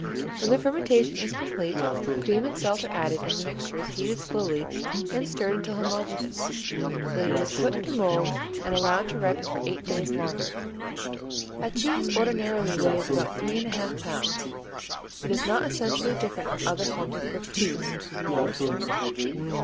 When the fermentation is complete, cream and salt are added and the mixture is heated slowly and stirred until homogeneous, when it is put into molds and allowed to ripen for eight days longer. A cheese ordinarily weighs about three and a half pounds. It is not essentially different from other forms of cooked cheese.